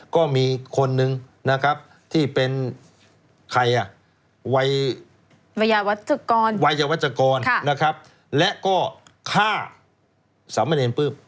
ก็มีคนนึงนะครับที่เป็นใครอ่ะวัยวจกรแล้วก็ฆ่าสำเมรินปลื้ม